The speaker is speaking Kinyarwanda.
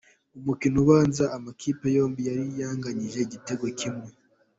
Umukino ubanza amakipe yombi yari yanganyije igitego kimwe.